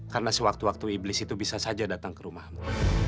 karena sewaktu waktu iblis itu bisa saja datang ke rumahmu